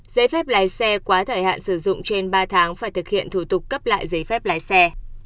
giấy phép lái xe quá thời hạn sử dụng trên ba tháng phải thực hiện thủ tục cấp lại giấy phép lái xe